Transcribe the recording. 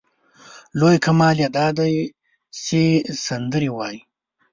لوی کمال یې دا دی چې سندرې وايي.